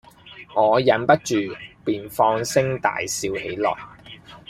我忍不住，便放聲大笑起來，